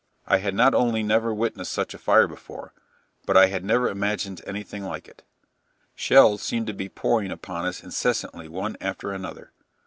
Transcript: I had not only never witnessed such a fire before, but I had never imagined anything like it. Shells seemed to be pouring upon us incessantly one after another....